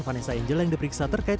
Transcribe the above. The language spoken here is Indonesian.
vanessa angel yang diperiksa terkait